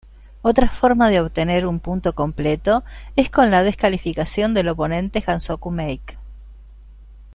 Otra forma de obtener un punto completo es con la descalificación del oponente Hansoku-make.